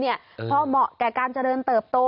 พอเหมาะแก่การเจริญเติบโต